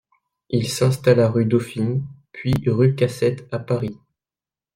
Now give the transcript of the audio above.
Il s’installa rue Dauphine, puis rue Cassette à Paris.